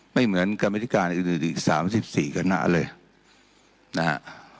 ไม่เหมือนการมิถิการอีก๓๔กรณะเลยนะฮะ